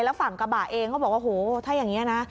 แล้วฝั่งกระบะเองเขาบอกว่าโหถ้าอย่างนี้นะ